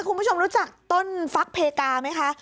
คุณผู้ชมรู้จักต้นฟักเพกาไหมคะ